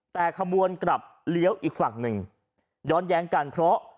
แต่ขบวนกลับเลี้ยวอีกฝั่งหนึ่งย้อนแย้งกันเพราะ